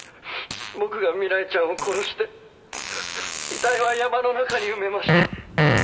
「僕が未来ちゃんを殺して遺体は山の中に埋めました」